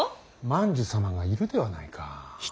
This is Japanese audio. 万寿様がいるではないか。